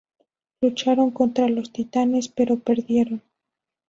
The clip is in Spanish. Lucharon contra los titanes, pero perdieron.